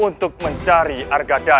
untuk mencari argadana